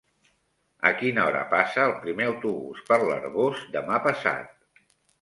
A quina hora passa el primer autobús per l'Arboç demà passat?